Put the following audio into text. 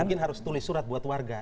mungkin harus tulis surat buat warga